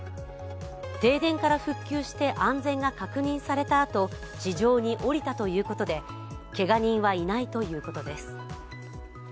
停電から復旧して安全が確認されたあと地上に降りたということでけが人はいないということです。